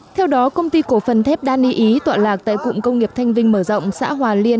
theo đó công ty cổ phần thép đa ni ý tọa lạc tại cụng công nghiệp thanh vinh mở rộng xã hòa liên